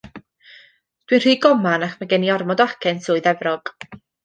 Dw i'n rhy goman ac mae gen i ormod o acen Swydd Efrog.